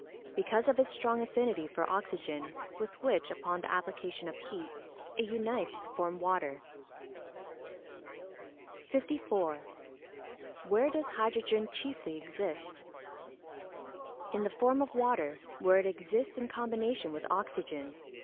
_ Because of its strong affinity for oxygen, with which, upon the application of heat, it unites to form water. 54. Where does hydrogen chiefly exist? In the form of water, where it exists in combination with oxygen.